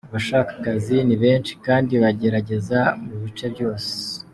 Abashaka akazi ni benshi kandi bagerageza mu bice byose.